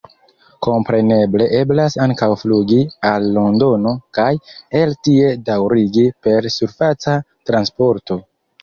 Kompreneble eblas ankaŭ flugi al Londono kaj el tie daŭrigi per surfaca transporto.